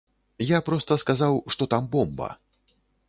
Я проста сказаў, што там бомба.